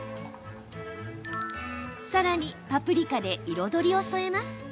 さらにパプリカで彩りを添えます。